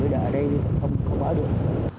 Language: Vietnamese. để ở đây không ở được